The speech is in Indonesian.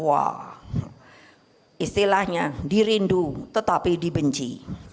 wah istilahnya dirindu tetapi dibenci